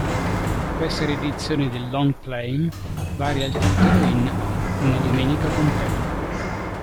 Questa riedizione del long-playing varia il titolo in "Una domenica con te".